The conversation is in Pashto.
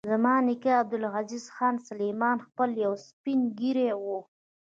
زما نیکه عبدالعزیز خان سلیمان خېل یو سپین ږیری و.